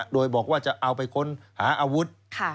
โดยบอกว่าจะเอาไปค้นหาอาวุธ